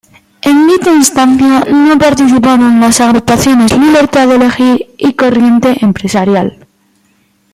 En dicha instancia, no participaron las agrupaciones Libertad de Elegir y Corriente empresarial.